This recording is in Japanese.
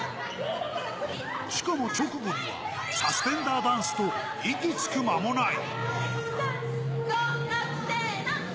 しかも直後にはサスペンダーダンスと、息つく間もない。